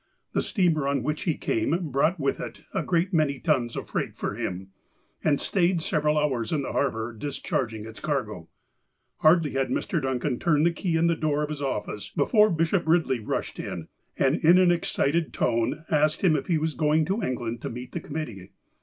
The steamer on which he came brought with it a great many tons of freight for him, and stayed several hours in the harbour dis charging its cargo. Hardly had Mr. Duncan turned the key in the door of his office before Bishop Eidley rushed in, and in an ex cited tone asked him if he was going to England to meet the committee.